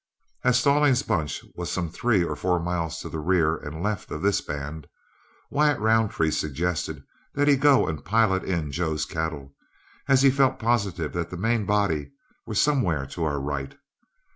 As Stallings's bunch was some three or four miles to the rear and left of this band, Wyatt Roundtree suggested that he go and pilot in Joe's cattle, as he felt positive that the main body were somewhere to our right.